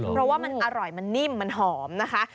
เพราะว่ามันอร่อยมันนิ่มมันหอมนะคะ